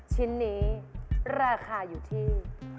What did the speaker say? ชิ้นนี้ราคาอยู่ที่